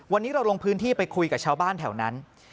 วันนี้เราลงพื้นที่ไปคุยกับชาวบ้านแถวนั้น